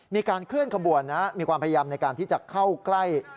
มีการเคลื่อนขบวนนะมีความพยายามในการที่จะเข้าใกล้